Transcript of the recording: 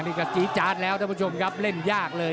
นี่ก็จี๊จาดแล้วท่านผู้ชมครับเล่นยากเลย